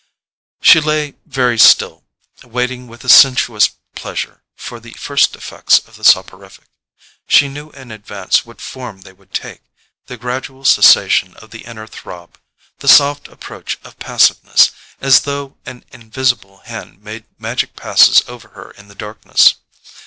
She lay very still, waiting with a sensuous pleasure for the first effects of the soporific. She knew in advance what form they would take—the gradual cessation of the inner throb, the soft approach of passiveness, as though an invisible hand made magic passes over her in the darkness.